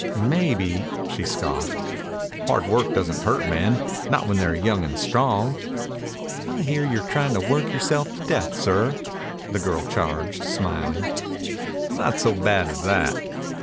"Maybe," she scoffed. "Hard work doesn't hurt men. Not when they're young and strong." "I hear you're trying to work yourself to death, sir," the girl charged, smiling. "Not so bad as that."